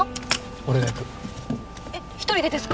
俺が行くえっ１人でですか？